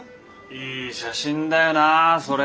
いい写真だよなそれ。